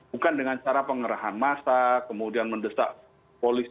bukan dengan cara pengerahan massa kemudian mendesak polisi